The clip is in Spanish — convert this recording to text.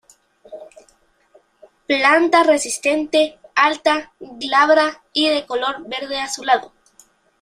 Planta resistente, alta, glabra y de color verde azulado.